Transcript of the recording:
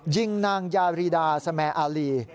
ยิงนางยารีดาสแมอารี